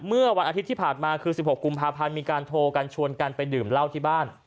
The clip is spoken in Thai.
เมื่อวันอาทิตย์ที่ผ่านมาคือ๑๖กุมภาพันธ์มีการโทรกันชวนกันไปดื่มเหล้าที่บ้าน